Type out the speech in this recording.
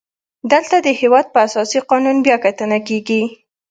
دلته د هیواد په اساسي قانون بیا کتنه کیږي.